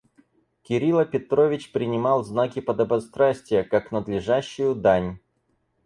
Кирила Петрович принимал знаки подобострастия как надлежащую дань.